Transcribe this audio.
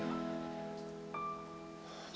iya tak ada merasais juga